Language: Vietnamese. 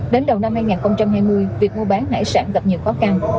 đến đầu năm hai nghìn hai mươi việc mua bán hải sản gặp nhiều khó khăn